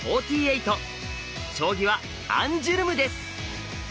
将棋はアンジュルムです。